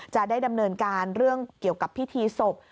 จะได้ดำเนินการเรื่องเกี่ยวกับพิธีศพ